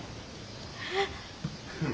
えっ。